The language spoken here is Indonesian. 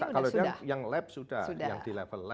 kalau yang lab sudah yang di level lab